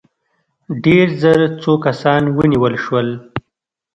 ډېر ژر څو کسان ونیول شول.